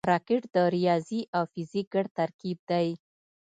راکټ د ریاضي او فزیک ګډ ترکیب دی